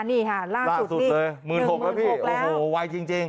นี่ค่ะล่าสุดเลยหนึ่งหมื่นหกแล้วพี่โอ้โหไวจริง